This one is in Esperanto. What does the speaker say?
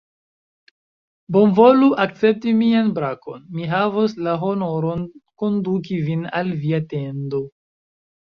Bonvolu akcepti mian brakon: mi havos la honoron konduki vin al via tendo.